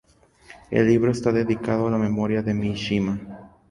El libro está dedicado a la memoria de Mishima.